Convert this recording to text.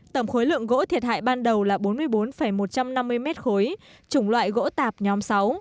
tổng khối lượng gỗ thiệt hại ban đầu là bốn mươi bốn một trăm năm mươi m ba chủng loại gỗ tạp nhóm sáu